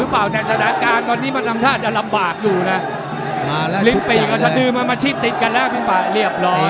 พี่ปากเรียบร้อย